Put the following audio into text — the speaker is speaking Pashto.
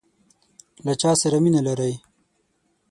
له چاسره مینه لرئ؟